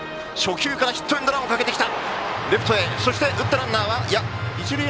ヒットエンドランをかけてきた。